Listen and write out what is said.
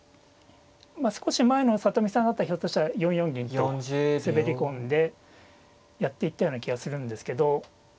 少し前の里見さんだったらひょっとしたら４四銀と滑り込んでやっていったような気がするんですけど。